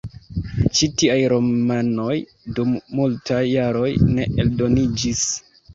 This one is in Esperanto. Ĉi tiaj romanoj dum multaj jaroj ne eldoniĝis.